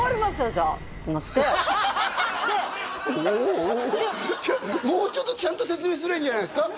じゃあ」ってなっておおおおもうちょっとちゃんと説明すればいいんじゃないですか？